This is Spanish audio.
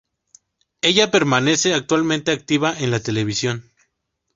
Ella permanece actualmente activa en la televisión.